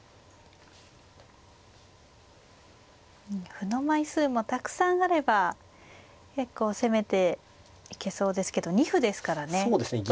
歩の枚数もたくさんあれば結構攻めていけそうですけど２歩ですからね。